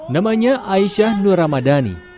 namanya aisyah nur ramadhani